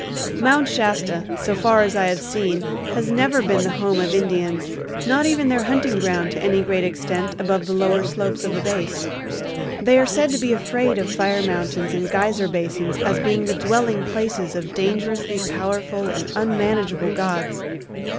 Mount Shasta, so far as I have seen, has never been the home of Indians, not even their hunting ground to any great extent, above the lower slopes of the base. They are said to be afraid of fire mountains and geyser basins as being the dwelling places of dangerously powerful and unmanageable gods.